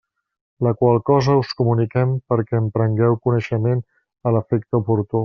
La qual cosa us comuniquem perquè en prengueu coneixement a l'efecte oportú.